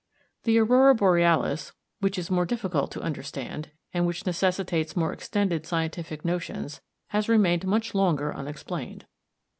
The aurora borealis, which is more difficult to understand, and which necessitates more extended scientific notions, has remained much longer unexplained.